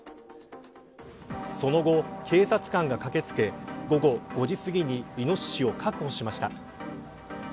その後、警察官が駆け付け午後５時すぎにイノシシを確保しました。